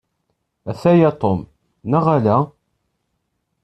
Ataya Tom, neɣ ala?